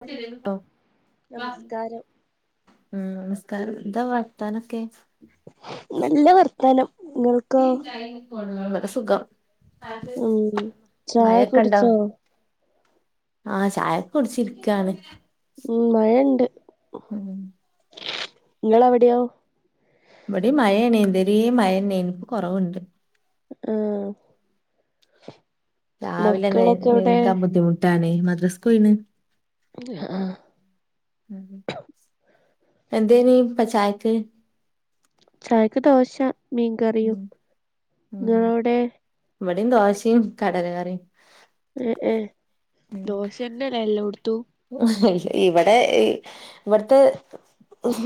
ഉ കാരം നമസ്കാരം നമസ്കാരം എന്താ വത്ത ർത്താനൊക്കെ നല്ല വർത്തനം സുഖം ഉം ചായ മയൊക്കെ ഇണ്ടോ കുടിച്ചോ ആഹ് ചായക്കെ കുടിച്ചിരിക്കയാണ് ഉം മഴുണ്ട് ഉം നിങ്ങള എവിടെയാവും ഇവിടെ മഴ ഇണീന്തരിയ മഴന്നെയൻ നിപ്പ കുറവുണ്ട് ആഹ് രാവിലെന്നെ മക്കളൊക്കെ എവിടെ എനീക്കാൻ ബുദ്ധിമുട്ടാണ് മദ്രസ്കയിണ് ആഹ് ആഹ് എന്തേനി ചായക്ക് ചായക്ക് ദോശ മീൻകറിയും ഉം നിങ്ങളവിടെ ഇവിടെ ദോശയും കടലകറി ഏ ഏ ദോശന്നല്ലേ എല്ലാം കൊടുത്തു ഇവിടെ ഇവിടുത്തെ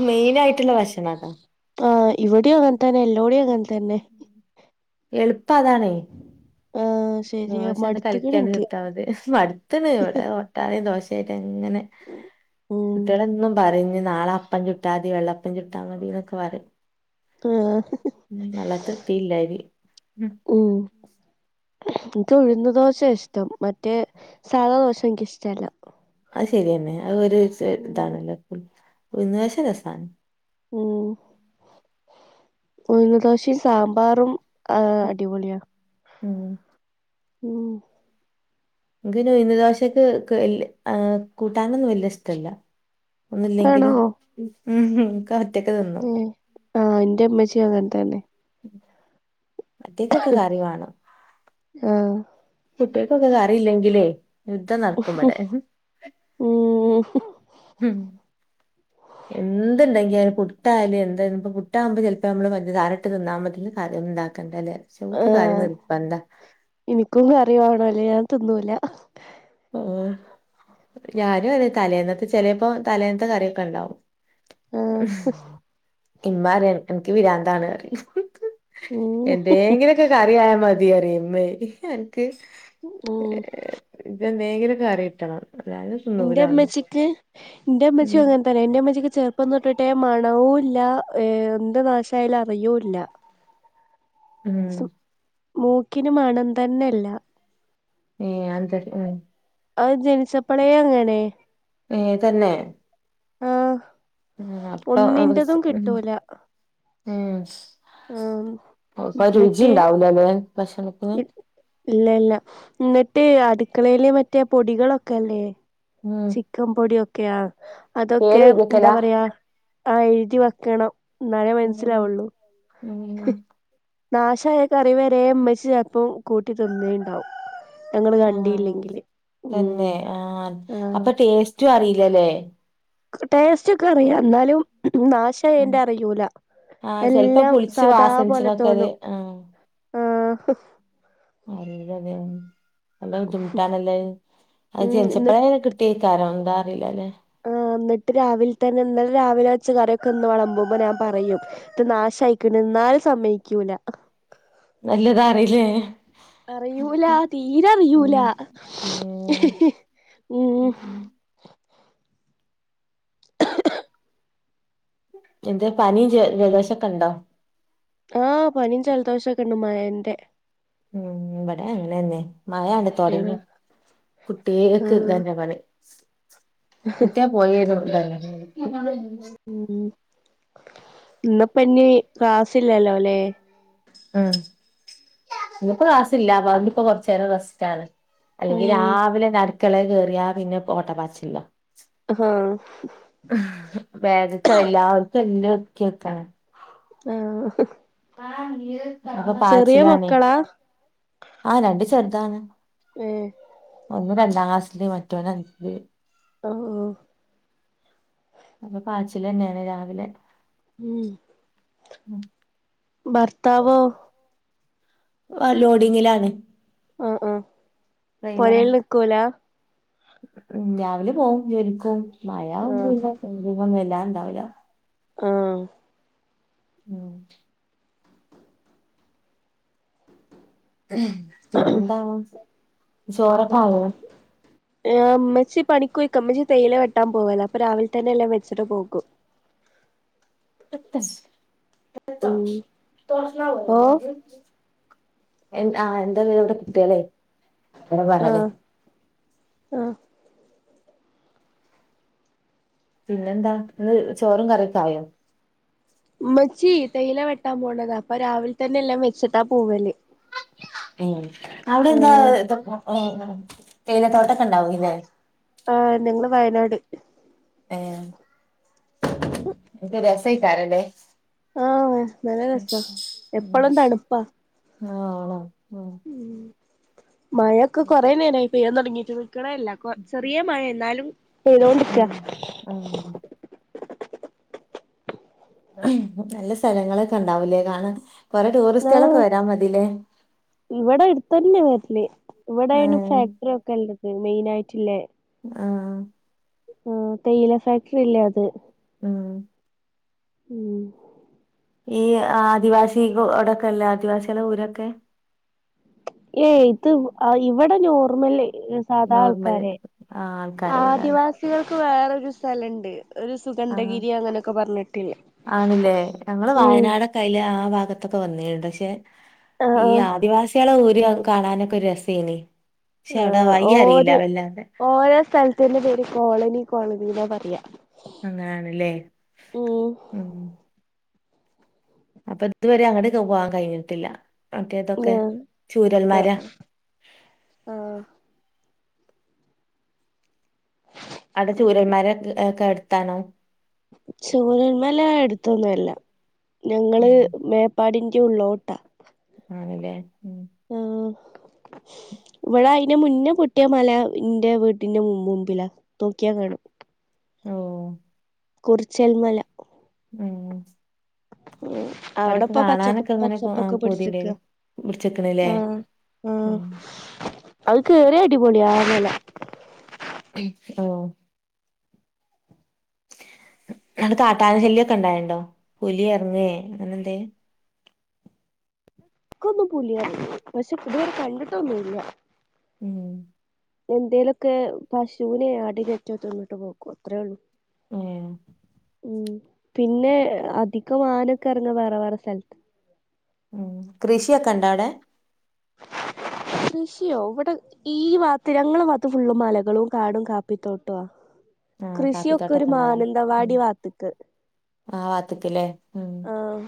മെയിൻ ആയിട്ടുള്ള ഭക്ഷണം അതാ ആഹ് ഇവിടെ അങ്ങൻതന്നെ എല്ലോടെയും അങ്ങ തന്നെ എളുപ്പ അതാണേ ആഹ് ശരിയാ ദോശയാണ് മടുത്ത്ക്ക്ണ് കളിക്കന്ന് ഇൻക്ക് കി മടുത്തണ് ഇവിടെ ഒട്ടാന ദോശായിട്ട അങ്ങനെ ഉം കുട്ടികളെ ഇന്നും പറ ഇ നാളെ അപ്പൻ ചുട്ടാൽ മതി വെള്ളപ്പം ചുട്ടാ മതീക്കെ വര ആഹ് ഉം വള്ളത്തിൽ കിട്ടീല അരി എനിക്ക് ഉഴുന്ന് ദോശ ഇഷ്ടം മറ്റേ സാധാദോശ എനിക്കിഷ്ടമല്ല അത് ശരിയെന്നെ അത് ഒരു ഇതാണല്ലോന്ന് വശം രസമാണ് ഉം ഉ ദോശയും സാമ്പാറും ആഹ് അടിപൊളിയ ഉം ഉം എങ്കനോ ദോശക്ക് കൂട്ടാനൊന്നും വലിയ ഇഷ്ടല്ല ആണോ ഒന്നില്ലെങ്കിലും ഇക്കഒറ്റക്കെ തിന്നു ഉം ആഹ് എന്റെ ഉമ്മച്ചി അങ്ങനെ തന്നെ കുട്ട്യോക്കൊക്കെ കറി വേണം ആഹ് കുട്ട്യോക്കൊക്കെ കറിയില്ലെങ്കിലേ യുദ്ധം നടക്കുമിവിടെ ഉം ഉം എന്തുണ്ടെങ്കിലും പുട്ടായാലും എന്ത് ഇപ്പം പുട്ടാവുമ്പോ ചിലപ്പോ നമ്മള് പഞ്ച സാരയിട്ടു തിന്നാമതി കറിയൊന്നും ആക്കണ്ടല്ലേ ആഹ് എനിക്കും കറിവേണം അല്ലേ ഞാൻ തിന്നൂല ഓ ഞാനും അതെ തലേന്നത്തെ ചെലപ്പോ തലേന്നത്തെ കറിയൊക്കെ ഉണ്ടാവും ആഹ് പിന്മാറി എനിക്ക് വിരാന്താണ് കറി ഉം എന്തെങ്കിലും ഒക്കെ കറിയായ മതി [unintelligible] എനിക്ക് ഉം എന്തെങ്കിലും കറി കിട്ടണം അല്ലാതെ എന്റെ തിന്നൂലാന്ന് ഉമ്മച്ചിക്ക് എന്റെ ഉമ്മച്ചി ഉം അങ്ങനെ തന്നെ എന്റെ ഉമ്മച്ചക്ക് ചെ ഇപ്പൊന്ന് ഇട്ടിട്ടെ മണവും ഇല്ല ഏ എന്ത് നാശായാലും അറിയൂല്ല ഉം മൂക്കിനും മണം തന്നെയില്ല ഏ [unintelligible] അത് ജനിച്ചപ്പളേ അങ്ങനെ ഏ തന്നെ ആ ആഹ് അപ്പൊ ഒന്നിന്റേതും ഉം കിട്ടൂല ഉം ആഹ് ഇപ്പൊ രുചി എന്നിട്ട് ഉണ്ടാവൂലല്ലേ ഭക്ഷണത്തിന് ഇല്ല ഇല്ല എന്നിട്ട് അടുക്കളയിലെ മറ്റേ പൊടികളൊക്കെ അല്ലേ ഉം ചിക്കൻ പൊടൊക്കെയാ പേര് അതൊക്കെ എന്താ എഴുതിക്കലാ പറയാ ആ എഴുതി വെക്കണം എന്നാലേ ഉം മനസ്സിലാവുള്ളു ഉം നാശായ കറി വരെ ഉമ്മച്ച് ചെലപ്പം കൂട്ടി തിന്നനുണ്ടാവും ആ ഉം തന്നെ ആ ആഹ് അപ്പൊ ടേസ്റ്റും അറിയില്ലല്ലേ ടേസ്റ്റ് ഒക്കെ അറിയാം എന്നാലും ഉം നാശായന്റെ അറിയൂല ആഹ് ചെലപ്പോ എല്ലാം പുളിച്ച് സാദാ പോലെ വാസനിച്ചണൊക്കെ അത് തോന്നും ആഹ് ആ.. ഹ് അറിയൂലല്ലേ അത് നല്ല ബുദ്ധിമുട്ടാണല്ലേ അത് ഉം എന്നി ജനിച്ചപ്പഴനെ കിട്ടിയ കാരണം എന്താ അറിയില്ലല്ലെ ആഹ് എന്നിട്ട് രാവിലെ തന്നെ ഇന്നലെ രാവിലെ വച്ച കറിയൊക്കെ ഇന്ന് വി ളമ്പുമ്പോ ഞാൻ പറയും ഇത് നാശവാ യിക്കി എന്നലും സമ്മയിക്കൂല നല്ലതാ അറിയില്ലേ അറിയൂല തീരെ അറിയൂല ഉം ഉം എന്ത് പനിയും ജലധോഷവുമൊക്കെ ഉണ്ടോ ആ പനിയും ജലദോഷവുമൊക്കെ ഉണ്ട് മഴേന്റെ ഉം ഇവിടേം അങ്ങനെ തന്നെ മഴാണ് ആഹ് തുടങ്ങി കുട്ടികൾക്ക് ഇത് ആഹ് തന്നെ പണി [unintelligible] പോയിരുന്നു ഇല്ലെ ഉം ഇന്നിപ്പ ഇനി ക്ലാസ്സില്ലല്ലോ അല്ലേ ഉം ഇന്നിപ്പോ കാസില്ല അപ്പ അതിപ്പ കൊറച്ചു നേരം റെസ്റ്റാണ് അല്ലെങ്കി ഉം രാവിലെ അടുക്കളേ കേയറിയാ പിന്നെ ഓട്ട പായിച്ചില ആ വേദക്ക എല്ലാതുണ്ട് [unintelligible] ആ.... ഹ് അപ്പൊ പാച്ചിലാണെ മക്കളാ ആ രണ്ട് ചെറുതാണ് ഏ അ രണ്ടാം ക്ലാസ്ല് മറ്റോന എന ഓ ഓ അപ്പൊ കാച്ചില് തന്നെയാണ് രാവിലെ ഉം ഉം ഭർത്താവോ ലോഡിങ്ങിലാണ് പുരൽ നിക്കല ഉ രാവിലെ പോവും ജോലിക്ക് പോവും മഴ ആഹ് ഒന്നും എല്ലാം ഇണ്ടാവില്ല ആ ഉം പിന്നെന്താവും ചോറൊക്കെ ആയോ അമ്മച്ചി പണിക്കൂയി കമ്മച്ചി തേയില വെട്ടാൻ പോവല്ല അപ്പൊ രാവിലെ തന്നെ എല്ലാം വെച്ചിട്ട പോകും [unintelligible] ഉം ഓഹ് എ ആഹ എന്താല ഇവിടെ കുട്ടികളെ എടെ ബഹള ആഹ പിന്നെന്താ ഇത് ചോറും കറിക്കായോ ഉമ്മച്ചി തേയില വെട്ടാൻ പോണതാ അപ്പൊ രാവിലെ തന്നെ എല്ലാം മെച്ചട്ടാ പൂവല് ഉം അവിടെ എന്താ ഇ ഉ തേയിലത്തോട്ടക്കെ ഉണ്ടാവും ഇല്ലേ ആഹ് നിങ്ങള് വയനാട് ആഹ എത് രസക്കാരല്ലേ ആഹ നല്ല രസ എപ്പഴും തണുപ്പാ ആ ആണോ ഉ മഴൊക്കെ കൊറേ നേരമായി പെയ്യൻ തുടങ്ങിട്ട് നിക്കണല്ല ചെറിയ മഴ എന്നാലും ഏതോണ്ടരിക്ക ഉം ഉം നല്ല സ്ഥലങ്ങളൊക്കെ ഉണ്ടാവലേ കാണാൻ കൊറെ ആഹ ടൂറിസ്റ്റുകളൊക്കെ വരാ മതില്ലേ ഇവിടെ അടുത്ത തന്നെ വ ഇവിടൊണ് ഉം ഫാക്ടറി ഒക്കെ ഉള്ളത് മെയിൻ ആയിട്ടില്ലേ ആഹ ആഹ തയ്യയില ഫാക്ടറി ഇല്ലേ അത് ആഹ ഉം ഈ ആദിവാസിക അവിടെക്കെല്ലേ ആദിവാസികള ഊരൊക്കെ ഏയ് ഇത് ഇവിടെ നോർമലേ സാധാ നോർമല് ആൾക്കാരെ ആ ആൾക്കാരെ വിടാണ് ആദിവാസികൾക്ക് വേറരു സ്ഥലംണ്ട് ആ ആണല്ലേ ഞങ്ങള് ഉം വയനാടൊക്കെ അയ്ൽ ആ അത്തൊക്കെ വന്നിട്ടുണ്ട് പക്ഷെ ആഹ് ഈ ആഹ് ആദിവാസികളെ ഊര് കാണാനൊക്കെ രസേന ആ ഓര് ഓരോ സ്ഥലത്തിന്റെ പേര് കോളനി കോളനിയിലാ പറയാ അങ്ങനാണല്ലേ ഉം ഉം അപ്പൊ ഇതുവരെ അങ്ങട്ട പോവാൻ കഴിഞ്ഞിട്ടില്ല അതേതൊക്കെ ആഹ് ചൂരൽമാരാ ആഹ് ആഹ് അവിടെ ചുരന്മാരക്കെ എടുത്തണോ ചോരന്മല അടുത്തൊന്നുംല്ല ഞങ്ങള് ഉം മേപ്പാടി മറ്റുള്ളോട്ട ആണല്ലേ ഉം ഇവടെ അയിന്റെ മുന്നേ പൊട്ടിയ മലന്റെ വീട്ടിന്റെ മുമ്പിലാ നോക്കിയാ കാണും ഓ കുറിച്ചൽമല മ്മ് ഉ അവിടെപ്പ പച്ച അങ്ങനെ പച്ചപ്പൊക്കെ പിടിച്ചി ക്ക പൂതിണ്ടേനി പിടിച്ച്ക്ക്ണ്ല്ലേ ആഹ് ആ ഉം അത് കേറിയ അടിപൊളിയ ആ മല മ് ഓഹ് നട് കാട്ടാന ശല്യൊക്കെ ഇണ്ടായിണ്ടോ പുലി ഇറങ്ങേ അങ്ങനെ എന്തേ കൊന്നും പുലിഎറങ്ങി പഷേ ഇതുവരെ കണ്ടിട്ടൊന്നുല്ല മ്മ് ഹ് എന്തേലൊക്കെ പശുവിനെ ആട്ടിനെ റ്റേ തിന്നിട്ട് പോക്കുംഅത്രേഒള്ളൂ ഏഹ് മ്മ് പിന്നഅധികം ആനൊക്കെ ഇറങ്ങ വേറേ വേറെ സ്ഥലത്ത് മ്മ് കൃഷിയൊക്കെണ്ട അടെ കൃഷിയോ ഇവിടെ ഈ വാത്ത് ഞങ്ങളെ ഫുള്ള് മലകളും കാടും കാപ്പിത്തോട്ടോ ആ ആഹ് കൃഷിയൊക് ഒരു കാപ്പിത്തോട്ടൊക്കെ മാനന്തവാടി വാത്ത്ക് ആഹ് [unintelligible] ആഹ്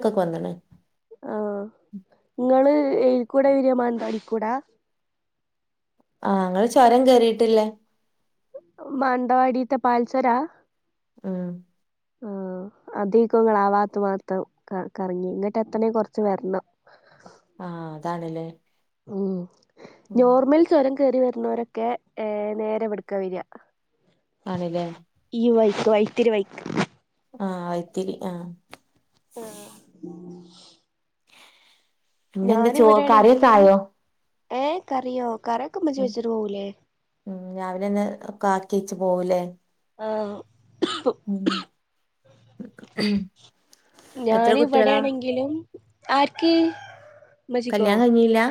ഇക്കായൊക്കെ വന്നെണ് ആഹ് ഇങ്ങള് എയിൽ കുടെയാ വരുക മാനന്തവാടീക്കൂടെ ആഹ് ഞങ്ങള് ചൊരം കേറിട്ടുള്ളേ മാനന്തവാടിത്തെ പാൽ ചൊരവാ ആഹ് [unintelligible] കറങ്ങി ഇങ്ങോട്ട് എത്തണെ കൊറച്ച് വരണം ആഹ് അതാണല്ലേ ഉം നോർമൽ ചുരം കേറി വരുന്നോരൊക്കെ ഏ നേരെ ഇവിടേക്കാ വരുക ആണല്ലേ വൈത്തിരി വൈക്ക് ആഹ് വയിത്തിരി ആഹ് ആഹ് പിന്നെന്താ ഞാൻ ചോ കറിയൊക്കെ ഇവിടെയാണെങ്കിലും ആയോ ഏ കറിയോ കറിയൊക്കെ ഉമ്മച്ചി ഉം വെച്ചിട്ട് പോവൂലേ ക്കാക്കിയേയ്ച്ച് പോവുലേ ആഹ് ഉം എത്ര ഞാൻ കുട്ടികളാ ഇവടേണെങ്കിലും ആര്ക്ക് കല്യാൺ കഴ്ഞ്ഞില്ലാ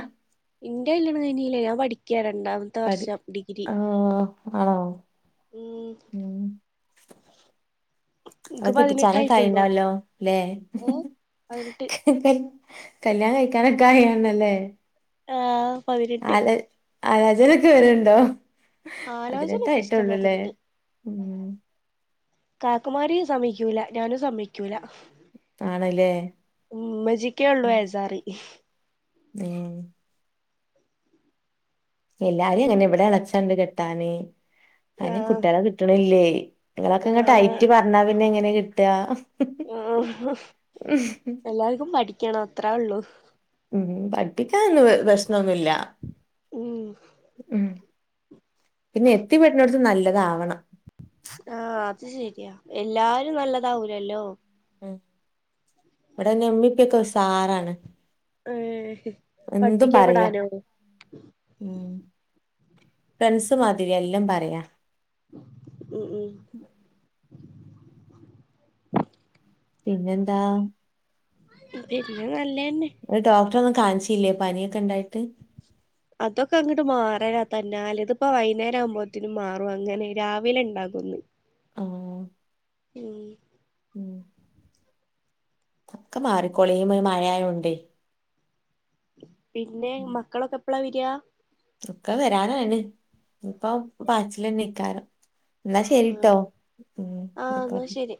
ഇന്റെല്യാണം കഴ്ഞ്ഞീലാ ഞാൻ പഠിക്യാണ് രണ്ടാമത്തെ പഠി വർഷം ഡിഗ്രി ആഹ് ആണോ ഉം ഇൻക്ക് ആഹ് കെട്ടിച്ചാനൊക്കെ പതിനെട്ടായിട്ടുള്ളൂ ആയിണ്ടാവല്ലോല്ലേ ഏഹ് പതിനെട്ട് കല്യാണം കഴിക്ക്യാനൊക്കെ ആയേണല്ലെ ആഹ് പതിനെട്ട് ആലോചനെക്കെ വര്ണ്ടോ ആലോചനൊക്കെ ഇഷ്ടം പതിനെട്ടായിട്ടൊള്ളുലേ മാതിരിണ്ട് ഉം കാക്കുമാര് സമ്മയിക്ക്യൂല ഞാനും സമ്മയ്ക്ക്യൂല ആണല്ലേ ഉം ഇമ്മച്ചീക്കേള്ളു വെജാർ ഏഹ് എല്ലാരും അങ്ങനെ ഇവടെ എളേച്ചണ്ട് കെട്ടാന് അയ്ന് ആഹ് കുട്ട്യളെ കിട്ട്ണ്ല്ലേ ഇങ്ങളൊക്കങ്ങനെ ആഹ് ടൈറ്റ് പറ്ഞ്ഞാ പിന്നെ എങ്ങനെ കിട്ടാ ഉം എല്ലാര്ക്കും പഠിക്ക്യണം അത്രോള്ളു ഉം പഠ്പ്പിക്ക്യാനൊന്നും വെ വെശ്നൊന്നുല്ലാ ഉം പിന്നെ എത്തിപെടുനോടുത്തും നല്ലതാവണം ആഹ് അത് ശരിയാ. എല്ലാരും നല്ലതാവൂലല്ലോ. ഉം ഇവിടെ നമ്മിപ്പൊക്കെ [unintelligible] ഒരു സാറാണ് ഉം ഹും പഠിപ്പിക്കാൻ വിടാനോ? പ്രണ്ട്സ് മാതിരി എല്ലാം പറയാം. ഉം ഉം പിന്നെന്താ പിന്ന നല്ലേന്നെ [unintelligible] കാണിച്ചില്ലേ പനിയൊക്കേണ്ടായിട്ട്? അതൊക്കെ അങ്ങോട്ട് മാറാനാ തന്നെ അല്ല ഇതി ഇപ്പോ വൈകേരം ആകുമ്പോത്തന് മാറും അങ്ങനെ രാവിലെ ഉണ്ടാകും [unintelligible] ഓ ഉം ഒക്കെ മാറിക്കൊളി ഈ മഴയായൊണ്ടേ പിന്നെ മക്കളൊക്കെ എപ്ളാ വരിയാ? ഇക്ക വരാനായിണ് ഇപ്പം ബാച്ചില് നിക്കാ [unintelligible] എന്നാ ആഹ് ശരീട്ടോ ആഹ് എന്നാ ശരി